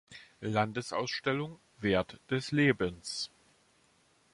Landesausstellung „Wert des Lebens“.